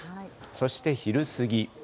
そして昼過ぎ。